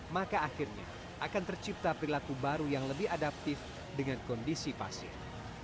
maka akhirnya akan tercipta perilaku baru yang lebih adaptif dengan kondisi pasien